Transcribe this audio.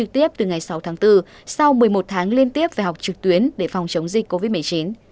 tiếp từ ngày sáu tháng bốn sau một mươi một tháng liên tiếp phải học trực tuyến để phòng chống dịch covid một mươi chín